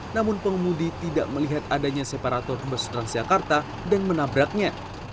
namun pengemudi tidak melihat adanya separator bus transjakarta dan menabraknya